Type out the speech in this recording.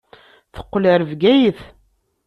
Teqqel ɣer Bgayet.